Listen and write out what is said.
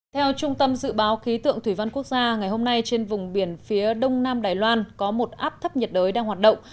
theo trung tâm dự báo khí tượng thủy văn quốc gia ngày hôm nay trên vùng biển phía đông nam đài loan có một áp thấp nhiệt đới đang hoạt động